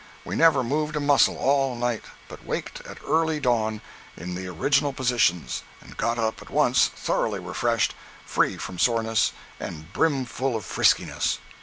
We never moved a muscle all night, but waked at early dawn in the original positions, and got up at once, thoroughly refreshed, free from soreness, and brim full of friskiness.